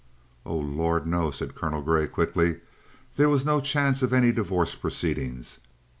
"Oh, Lord, no!" said Colonel Grey quickly. "There was no chance of any divorce proceedings.